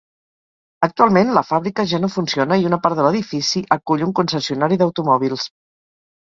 Actualment la fàbrica ja no funciona i una part de l'edifici acull un concessionari d'automòbils.